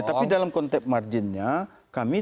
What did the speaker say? ya tapi dalam konteks marginnya kami tentu tergantung